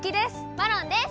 マロンです！